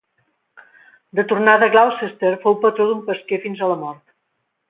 De tornada a Gloucester, fou patró d'un pesquer fins a la mort.